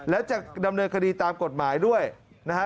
และจะดำเนินคดีตามกฎหมายด้วยนะฮะ